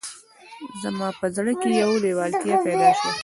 زما په زړه کې یوه لېوالتیا پیدا شوه